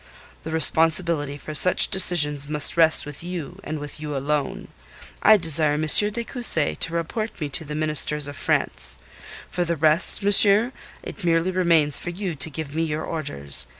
The responsibility for such decisions must rest with you, and with you alone. I desire M. de Cussy to report me to the Ministers of France. For the rest, monsieur, it merely remains for you to give me your orders.